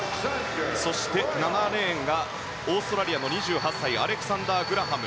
そして、７レーンがオーストラリアの２８歳アレクサンダー・グラハム。